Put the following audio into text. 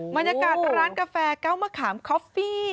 บรรยากาศร้านกาแฟเก้ามะขามคอฟฟี่